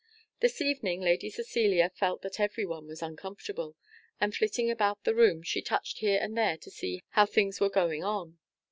This evening, Lady Cecilia felt that every one was uncomfortable, and, flitting about the room, she touched here and there to see how things were going on.